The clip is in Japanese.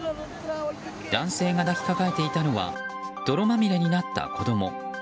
男性が抱きかかえていたのは泥まみれになった子供。